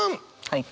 はい。